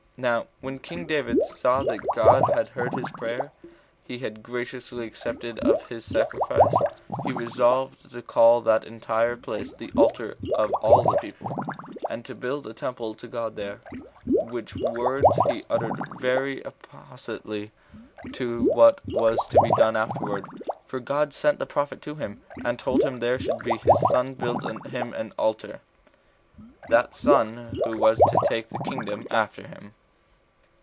Now when king David saw that God had heard his prayer, and had graciously accepted of his sacrifice, he resolved to call that entire place The Altar of all the People, and to build a temple to God there; which words he uttered very appositely to what was to be done afterward; for God sent the prophet to him, and told him that there should his son build him an altar, that son who was to take the kingdom after him.